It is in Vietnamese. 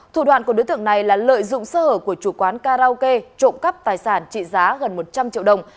thủ đoạn của đối tượng này là lợi dụng sơ hở của chủ quán karaoke trộm cắp tài sản trị giá gần một trăm linh triệu đồng